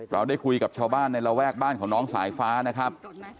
เราได้คุยกับชาวบ้านในระแวกบ้านของน้องสายฟ้านะครับ